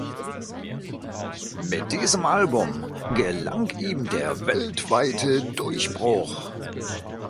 Mit diesem Album gelang ihm der weltweite Durchbruch.